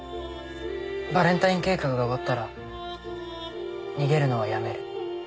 バレンタイン計画が終わったら逃げるのはやめる。